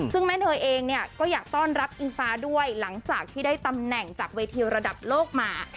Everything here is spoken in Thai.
ซึ่งแม่เนยเองเนี่ยก็อยากต้อนรับอิงฟ้าด้วยหลังจากที่ได้ตำแหน่งจากเวทีระดับโลกมา